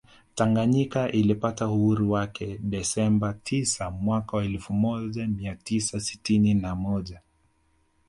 Taganyika ilipata uhuru wake Desemba tisa mwaka elfu moja mia tisa sitini na moja